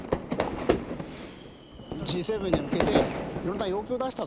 Ｇ７に向けていろんな要求を出したわけですね。